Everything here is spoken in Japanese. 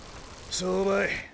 そうばい。